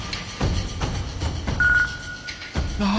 ああ！